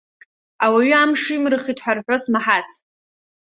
Ауаҩы амш имырхит ҳәа рҳәо смаҳац!